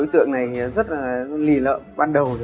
đối tượng này rất là lì lợn ban đầu